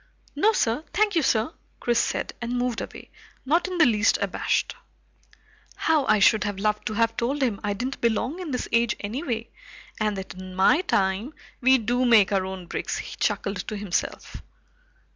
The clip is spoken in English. "No sir, thank you sir," Chris said, and moved away, not in the least abashed. How I should have loved to have told him I didn't belong in this age anyway, and that in my time, we do make our own bricks! he chuckled to himself.